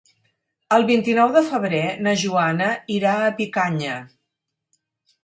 El vint-i-nou de febrer na Joana irà a Picanya.